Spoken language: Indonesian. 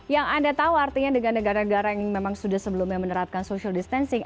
yang anda tahu artinya dengan negara negara yang memang sudah sebelumnya menerapkan social distancing